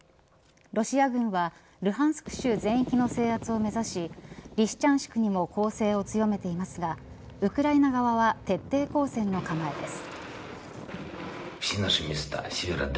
ロシア軍はルハンスク州全域を制圧を目指しリシチャンシクにも攻勢を強めていますがウクライナ側は徹底抗戦の構えです。